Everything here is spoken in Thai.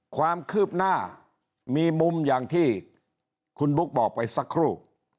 ความคืบหน้ามีมุมอย่างที่คุณบุ๊คบอกไปสักครู่